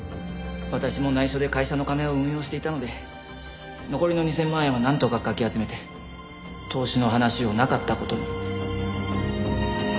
私も内緒で会社の金を運用していたので残りの２０００万円はなんとかかき集めて投資の話をなかった事に。